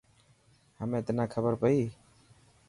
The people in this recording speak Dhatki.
همي تنا کبر پئي.